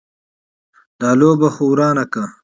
دا لوبه خو ورانه که.